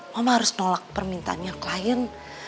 mama harus nolak permintaannya klien